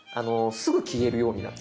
すぐ消えるようになる。